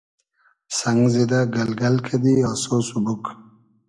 سئنگ زیدۂ گئلگئل کئدی آسۉ سوبوگ